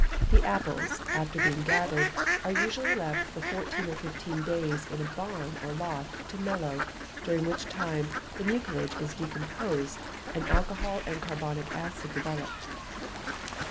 The apples, after being gathered, are usually left for fourteen or fifteen days in a barn or loft to mellow, during which time the mucilage is decomposed, and alcohol and carbonic acid developed.